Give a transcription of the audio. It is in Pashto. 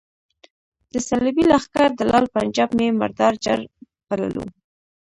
د صلیبي لښکر دلال پنجاب مې مردار جړ بللو.